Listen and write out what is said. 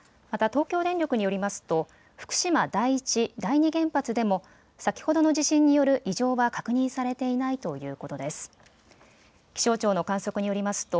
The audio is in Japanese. また、東京電力によりますと福島第一、第二原発でも先ほどの地震による異常は確認されていないということです。